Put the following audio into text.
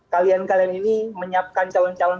kalian kalian ini menyiapkan calon calon